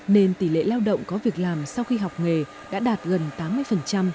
nên tỷ lệ lao động có việc làm sau khi học nghề đã đạt gần tám mươi